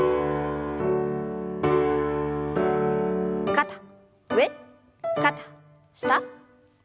肩上肩下。